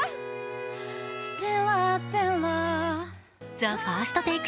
「ＴＨＥＦＩＲＳＴＴＡＫＥ」